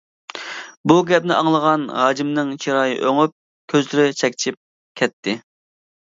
بۇ گەپنى ئاڭلىغان ھاجىمنىڭ چىرايى ئۆڭۈپ، كۆزلىرى چەكچىيىپ كەتتى.